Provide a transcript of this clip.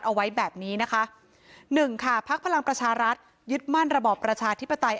เอาไว้แบบนี้นะคะหนึ่งค่ะพักพลังประชารัฐยึดมั่นระบอบประชาธิปไตย